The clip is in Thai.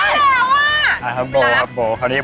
ได้แล้วอ่ะอ่ะครับโบครับโบครับขอให้บด